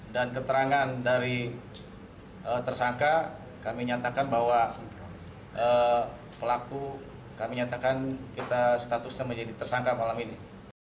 dan keterangan dari tersangka kami nyatakan bahwa pelaku kami nyatakan kita statusnya menjadi tersangka malam ini